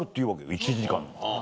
１時間の。